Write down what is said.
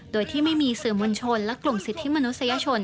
โดยที่ไม่มีสื่อมวลชนและกลุ่มสิทธิมนุษยชน